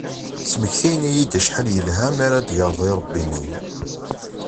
Smektayen-iyi-d acḥal yelha mi ara tegreḍ irebbi i mmi-m.